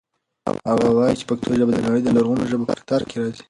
هغه وایي چې پښتو ژبه د نړۍ د لرغونو ژبو په کتار کې راځي.